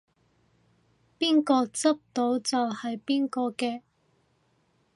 邊個執到就係邊個嘅